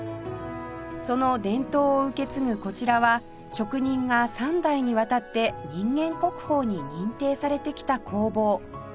その伝統を受け継ぐこちらは職人が３代にわたって人間国宝に認定されてきた工房